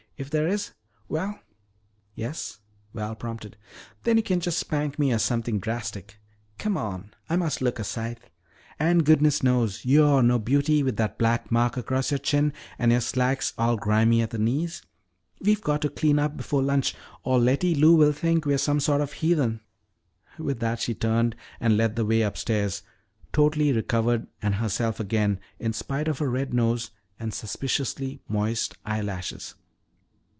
"If there is well " "Yes?" Val prompted. "Then you can just spank me or something drastic. Come on, I must look a sight. And goodness knows, you're no beauty with that black mark across your chin and your slacks all grimy at the knees. We've got to clean up before lunch or Letty Lou will think we're some sort of heathen." With that she turned and led the way upstairs, totally recovered and herself again in spite of a red nose and suspiciously moist eyelashes.